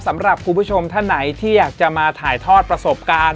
สำหรับคุณผู้ชมท่านไหนที่อยากจะมาถ่ายทอดประสบการณ์